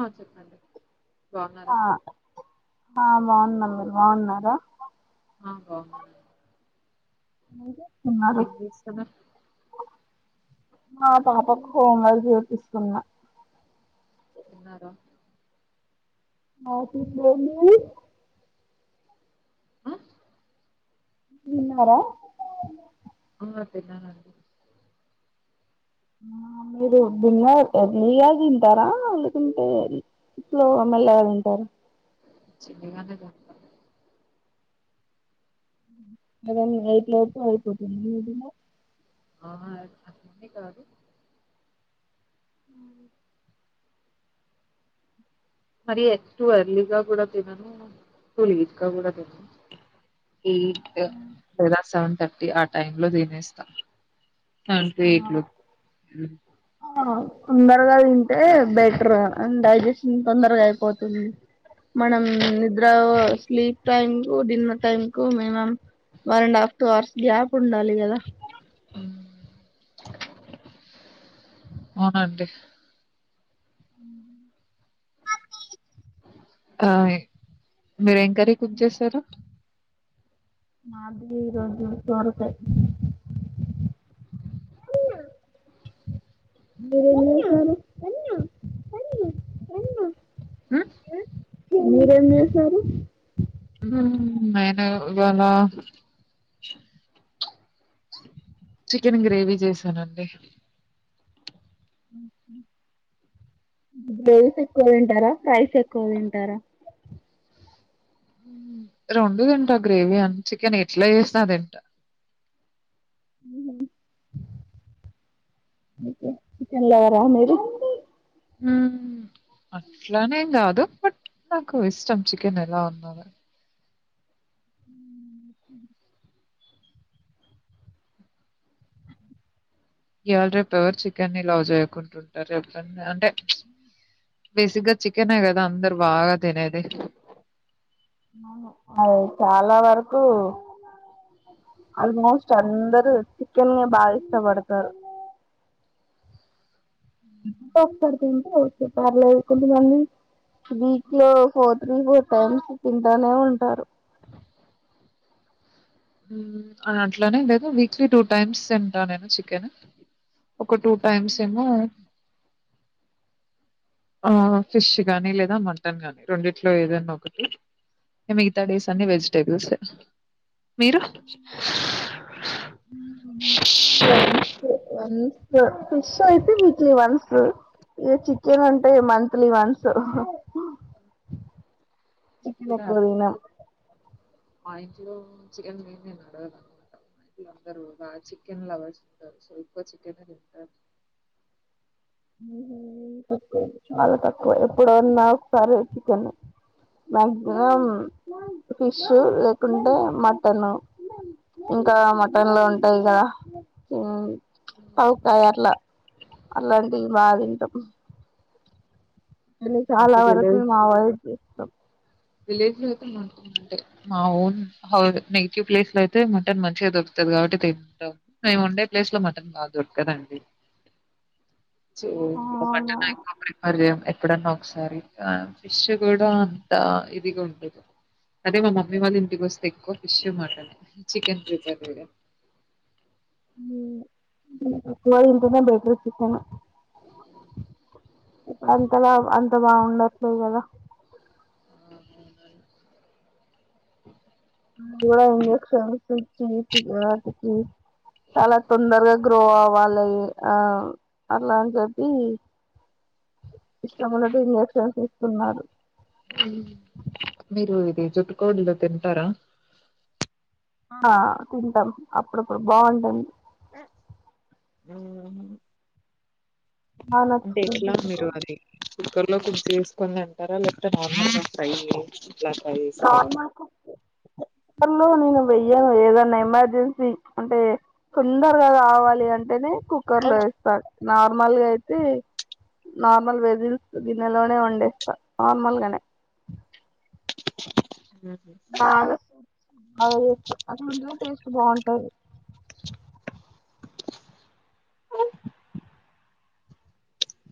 ఆ చెప్పండి ఆ బాగున్నారా ఆ బాగున్నాం మీరు బాగున్నారా అహో అయితే ఎగ్ చూస్తున్న హా పాపకు హోం వర్క్ చూపిస్తున్న తిన్నారా ఆఫీసులో ఏం చేయాలి ఆ! విన్నారా [unintelligible] ఆ మీరు బింగ బి గా తింటారా లేకుంటే స్లో మెల్లగా తింటారా చిన్నగానే తింటం మదన్ ఎయిట్ క్లాకు వెళపోతుది మీదిన్న ఆ కానీ కాదు అ మరి ఎక్ టూ ఎర్లీగా కూడా తినను టూ లీట్ గా కూడా తినను ఎయిట్ లేదా సెవెన్ థర్టీ ఆ టైం లో తినేస్తా రేట్లు తొందరగా తింటే బెటర్ అం డైజెషన్ తొందరగా అయిపోతుంది మనం నిద్ర ఓ స్లీప్ టైం కు డిన్నర్ టైమ్ కు minimum one and half two hours gap ఉండాలి గద అవున అండి ఆ మీరు ఏం కరీ కుక్ చేసారు అదివి ఇరోజ ద వరత [inaudible] హ్మ్. మీరేం చేశారు నేనవాలా చికెన్ గ్రేవీ చేసానండి గ్రేవీస్ ఎక్కువ తింటారా ఫ్రైస్ ఎక్కువ తింటారా రెండు తింటా గ్రేవీ అని చికెన్ ఎట్లా చేసిన తింట [inaudible] చకన్లాార మీరు అట్లానేం కాదు బట్ నాకు ఇష్టం చికెన్ ఎలా ఉన్న ఇవాళ రేపు ఎవరు చికెన్ని లవ్ చేయకుంటుంటారు చెప్పండి అంటే చ బేసిగ్గా చికెనే కదా అందరూ బాగా తినేది అవు చాలా వరకు ఆల్మోస్ట్ అందరూ చికెన్ బాగా ఇష్టపడతారు పార్లే కొంతమంది వీక్ లో ఫోర్ త్రీ ఫోర్ టైమ్స్ తింటానే ఉంటారు అట్లానే లేదు వీక్లీ టూ టైమ్స్ తింటా నేను చికెన్ ఒక టూ టైమ్స్ ఏమో [unintelligible] ఆ ఫిష్ గానీ లేదా మటన్ గానీ రెండిట్లో ఏదన్నా ఒకటి ఇ మిగతా డేస్ అన్ని వెజిటేబుల్సే మీరు వన్స్ వన్స్ ఫిష్ అయితే వీక్లీ వన్స్ ఇగా చికెన్ అంటే మంత్లీ వన్స్ చికెన్ ఎక్కువ తినం మా ఇంట్లో చికెన్ లేనిది నడవదు ఇంట్లో అందరూ చికెన్ లవర్స్ ఉన్నారు సో ఎక్కువ చికెన్ తింటారు [inaudible] తక్కువ చాలా తక్కువ ఎప్పుడన్నా ఒకసారి చికెన్ మ్యాక్సిమం ఫిష్ లేకుంటే మటను ఇంకా మటన్ లో ఉంటాయి కదా పవుకాయ అట్లా అలాంటి బాగా తింటాం అన్ని చాలా మాకు వరకు విలేజ్ మా వాయ్ చేస్తాం విలేజ్ లో అయితే మా ఓన్ హౌస్ నెగిటివ్ ప్లేస్ లో అయితే మటన్ మంచిగా దొరుకుతాది కాబట్టి తింటాం మేము ఉండే ప్లేస్ లో మటన్ బాగా దొరకదండి [inaudible] సో అవునా మటన్ ఎక్కువ ప్రిఫర్ చెయ్యం ఎప్పుడన్నా ఒకసారి ఫిష్ కూడా అంత ఇదిగా ఉండదు అదే మా మమ్మీ వాళ్ళు ఇంటికి వస్తే ఎక్కువ ఫిష్ మటన్ చికెన్ ప్రిఫర్ చెయ్యం ఉ తక్కువ తింటేనే బెటర్ చికెన్ ఇప్పుడ అంతలా అంత బాగుండట్లేదు కదా ఇంజక్షన్స్ ఇచ్చి వాటికి చాలా తొందరగా గ్రో అవ్వాలి ఆ అట్లాని చెప్పి ఇష్టమున్నట్టు ఇంజక్షన్స్ ఇస్తున్నారు మీరు ఇది జుట్టు కోళ్లు తింటారా ఆ తింటాం అప్పుడప్పుడు బాగుంటుంది [inaudible] బా అంటే నచ్చుతుంది ఎట్లా మీరు చిక్కుడు. అది కుక్కర్ లో కుక్ చేసుకొని తింటారా లేకపోతే నార్మల్గా ఫ్రైయి నార్మల్గా కుక్కర్ లో నేను వెయ్య ఏదన్నా ఎమర్జెన్సీ అంటే తొందరగా కావాలి అంటేనే కుక్కర్ ఆ! లో ఎస్తారు నార్మల్గా అయితే నార్మల్ వెజిల్స్ గిన్నెలోనే వండేస్తా నార్మల్గానే చిక్ చిక్. బాగా బాగా అది ఉంటానే టేస్ట్ బాగుంటాది. ఆ. ఉ.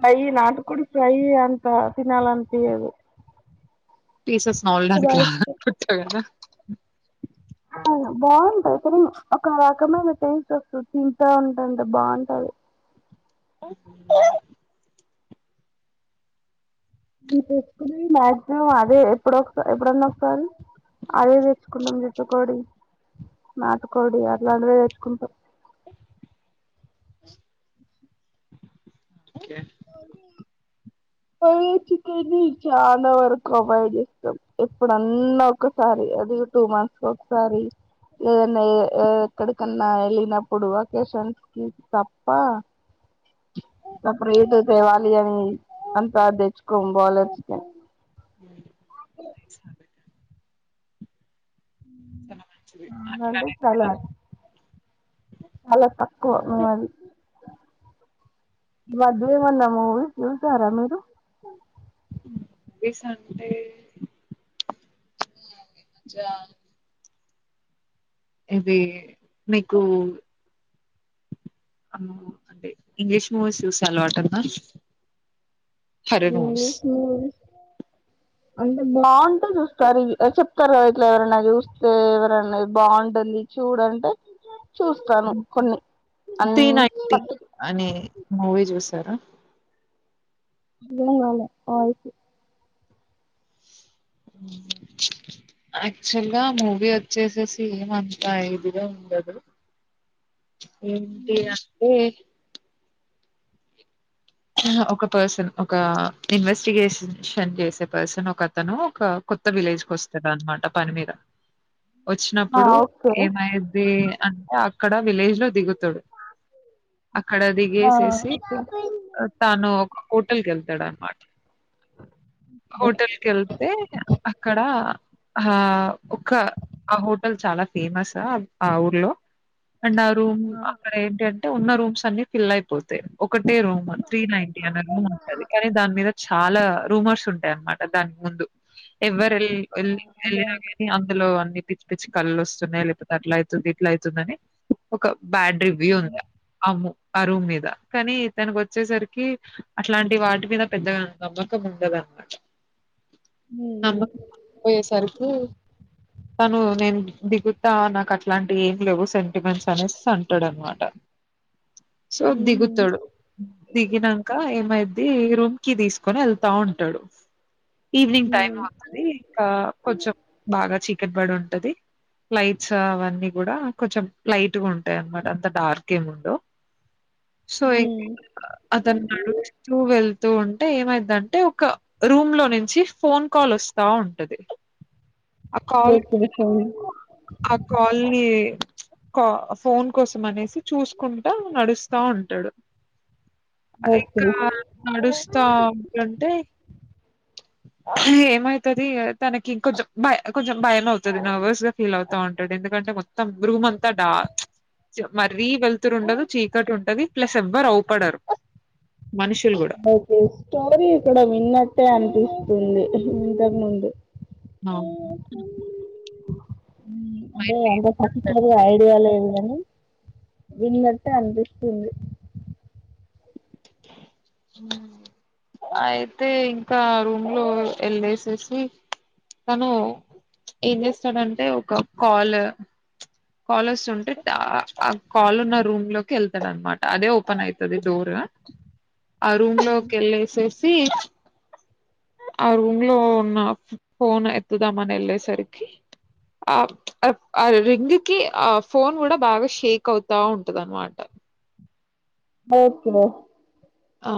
ఫ్రై నాటుకోడి ఫ్రై అంత తినాలి అనిపియదు. పీసస్ నౌల్డాక్లా [unintelligible] బాగుంటాది కని చ్ ఒక రకమైన టేస్ట్ వస్తది తింటా ఉంటాంటే బాగుంటాది. మిమ్ తెచ్చుకునేది మాక్సిమం అదే ఎప్పుడో ఒక ఎప్పుడన్నా ఒకసారి అదే తెచ్చుకుంటం జుట్టుకోడి, నాటుకోడి అట్లాంటివే తెచ్చుకుంటం ఓకే. ఏ ఫైయి చికెన్ని చాలా వరకు అవాయిడ్ చేస్తం ఎప్పుడన్నా ఒకసారి అది టు మంత్స్ ఒకసారి ఎదన్నా ఎక్కడికన్నా ఎళ్ళినప్పుడు వకేషన్స్ కి తప్ప సపరేటు తేవాలి అని అంత తెచ్చుకోమ్ బాలర్ చికెన్ నైస్ అండి. చాలా మంచిది మాకంటే అట్లానే కాదు. సలార్ చాలా తక్కువ మాది మధు ఏమన్నా మూవీ చూసారా మీరు ఏసండే అ ఇది మికు అంటే ఇంగ్లీష్ మూవీస్ చూసే అలవాటు ఉందా హర్రర్ మూవీస్ ఇంగ్లీష్ మూవీస్ అంటే బాగుంటే చూస్తారు చెప్తారు ఇట్లా ఎవరన్న చూస్తే ఎవరనా బాగుంటుంది ఈ చూడంటే చూస్తాను కొన్ని త్రీ అన్ని నైటీ పట్టు అనే మూవీ చూసారా ఇప్పుడేం కాలే ఆ [unintelligible] అ యాక్చువల్ గా మూవీ వచ్చేసేసి ఏమంతా ఇదిగా ఉండదు. ఏంటి అంటే ఆహా ఒక పర్సన్ ఒక ఇన్వెస్టిగేషన్షన్ చేసే పర్సన్ ఒక అతను ఒక కొ కొత్త విలేజ్ కొస్తరాన్మాట పని మీద అ వచ్చినప్పుడు ఏమైది అంటే అక్కడ విలేజ్ లో దిగుతడు అక్కడ ఆ దిగేసేసి ఓకే అదే ఆహ్, తాను ఒక హోటల్కెళ్తాడు అన్మాట హోటెల్కెళ్తే అక్కడ ఆ ఒక ఆ హోటల్ చాలా ఫేమసు ఆ ఊర్లో అండ్ ఆ రూమ్ అక్కడ ఏంటంటే ఉన్న రూమ్స్ అన్ని ఫిల్ అయిపోతాయి ఒకటే రూమ్ త్రీ నైంటీ అనే ఉంటది కనీ దాని మీద చాలా రూమర్స్ ఉంటయి అన్మాట దానికి ముందు ఎవరు అదే వెళ్ళినా కానీ అందులో అన్ని పిచ్చి పిచ్చి కళ్ళలు వస్తున్నాయి లేకపోతే అట్లా అయితుంది అయితుందనీ ఒక బ్యాడ్ రివ్యూ ఉంది అ ఆ రూమ్ మీద కానీ తనకి వ చ్చేసరికి అట్లాంటి వాటి మీద పెద్దగా నమ్మకం ఉండద అన్నమాట అమ పోయ సరుకు తను నేను దిగుతా నాకు అట్లాంటి ఏం లేవు సెంటిమెంట్స్ అనేసి అంటాడు అనమాట సో దిగుతాడు దిగినాక ఏమైది ఈ రూమ్ కీ తీసుకొని వెళ్తా ఉంటాడు ఈవినింగ్ టైమ్ అవుతుంది ఇంకా కొంచెం బాగా చీకటిబడి ఉంటది లైట్స్ అవన్నీ కూడా కొంచెం లైట్గా ఉంటాయి అన్నమాట అంత డార్క్ ఏమిండవు సో [unintelligible] వెళ్తు ఉ అంటే ఏమైయిదంటే ఒక రూమ్ లో నుంచి ఫోన్ కాల్ వస్తా ఉంటది ఆ ఓకే కాలనీ ఫైన్ ఆ కాలనీ కా ఫోన్ కోసం అనేసి చూసుకుంటా నడుస్తా ఉంటాడు ఓకే ఇంకా నడుస్తా ఉంటే ఏమైతది తనకింకొంచెం భ కొంచెం భయం అవుతుంది నర్వస్ గా ఫీల్ అవుతా ఉంటడు ఎందుకంటే మొత్తం రూమ్ అంతా డా మరీ వెళ్తురు ఉండదు చీకటి ఉంటది ప్లస్ ఎవ్వరు అవుపడరు మనుషులు కూడా ఓకే స్టోరీ ఇక్కడ విన్నట్టే అనిపిస్తుంది ఇంతకు ముందు అ అంటే అంత ఖచ్చితంగా ఐడియాల ఏ వినటే అనిపిస్తుంది హ్మ్ అయితే ఇంకా రూమ్ లో వెళ్ళేసేసి తను ఏం చేస్తాడంటే ఒక కాల్ కాల్ వస్తుంటే ఆ కాల్ ఉన్న రూమ్ లోకి వెళ్తాడనమాట అదే ఓపెన్ అయితది డోర్ అ రమ్ంలోకెళ్ళసేసి ఆ రూమ్లో ఉన్నా ఫోన్ ఎత్తుదామానీ నెలే సరికి ఆ ఆ రింగ్ కి ఆ ఫోన్ కూడా బాగా షేక్ అవుతా ఉంటది అనమాట ఓకే బ ఆ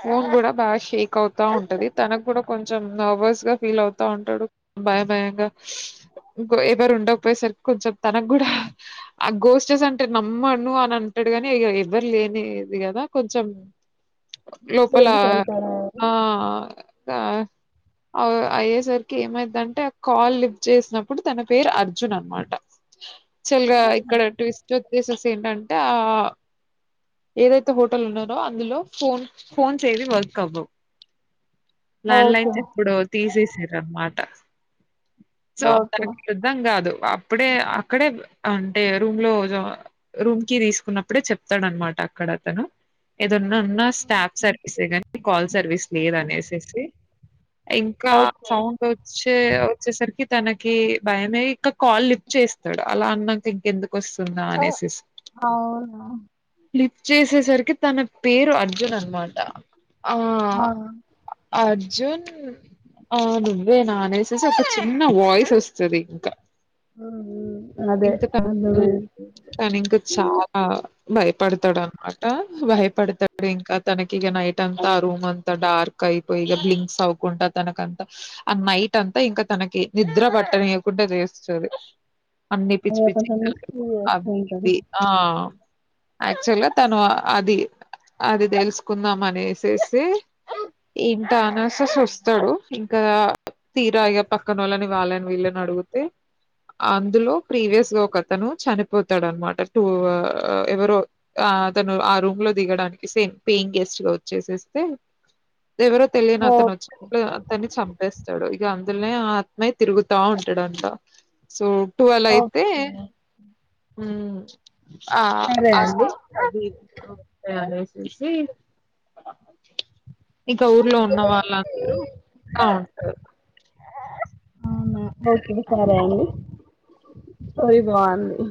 ఫోన్ కూడా బాగా షేక్ అవుతా ఉంటది తనకు కూడా కొంచం కొంచెం నర్వస్ గా ఫీల్ అవుతా ఉంటాడు భయ భయంగా ఇంకో ఎవరు ఉండకపోయే సరి కొంచెం తనకు కూడా ఆ గోస్టెస్ అంటే నమ్మను అని అంటాడు కానీ ఎవ్వరు లేని కదా కొంచెం లోపల ఎక్స్పీరియన్స్ అయితాడా ఆ అయ్యేసరికి ఏమైతుంటే కాల్ లిఫ్ట్ చేసినప్పుడు తన పేరు అర్జున్ అనమాట చెయగా ఇక్కడ ట్విస్ట్ ఏంటంటే ఏదైతే హోటల్ ఉన్నారో అందులో ఫోన్ పోన్ ఎవి వర్క్ అవవు ల్యాండ్ ఓకే లైన్స్ ఎప్పుడో తీసేసారు అన్నమాట సో ఓకే తన యూధం కాదు అప్పుడే అక్కడే అంటే రూమ్ లో రూమ్ కి తీసుకున్నప్పుడే చెప్తాడ అనమాట అక్కడతను ఏదన్న ఉన్న స్టాఫ్ సర్వీసే కాని కాల్ సర్వీస్ లేదు అనేససి ఇంకా ఓకే సౌండ్ వచ్చే వచ్చేసరికి తనకి భయమే ఇంకా కాల్ లిప్ చేస్తాడు అలా అన్నాక ఇంకెందుకు వస్తుందా అనేసి అవును లిఫ్ట్ చేసేసరికి తన పేరు అర్జున్ అనమాట ఆహ్ ఆ అ అర్జున్ ఆ నువ్వే నా అనేసేసి ఒక చిన్న వాయిస్ వస్తది ఇంక ఆ ఇంక త హ్ తను ఇంక చాలా భయపడతాడు అనమాట భయపడతాడు ఇంకా తనకి ఇగ నైట్ అంతా ఆ రూమ్ అంతా డార్క్ అయిపోయి ఇగ బ్లింక్స్ అవుకుంట తనకంతా అ నైట్ అంతా ఇంకా తనకి నిద్ర బట్టనియకుండా చేస్తది అన్ని పిచ్చి అదే పిచ్చి కొంచెం కలలు మిస్యూజ్ చేస్తూ అవ్వి ఉంటాడు ఇవ్వీ ఆ యాక్చువల్ గా తను అది అది తెలుసుకుందాం అనేసేసి ఇంకా అనాసస్ వస్తడు కా తీరా ఇగా పక్కనోళ్ళని వాళ్ళని వీళ్ళని అడిగితే అందులో ప్రీవియస్గా ఒక అతను చనిపోతాడనమాట టూ ఆ ఎవరో అతను ఆ రూమ్ లో దిగడానికి సేమ్ పేయింగ్ గెస్ట్ గా వచ్చేసేస్తే ఎవరో తెలియని ఓ అతను వచ్చి అతన్ని చంపేస్తాడు అందులే ఆత్మయ్ తిరుగుతా ఉంటడంట సో ట్వెల్వ్ అయితే ఓకే హ్మ్ సరే ఆ సౌ అండి ఓస్తాయి అనేసి ఇక ఊర్లో ఉన్న వాళ్ళందరూ బావుంటారు అవునా ఓకే సరే అండి స్టోరి బాగుంది